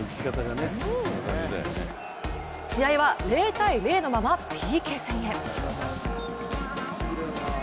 試合は０−０のままＰＫ戦へ。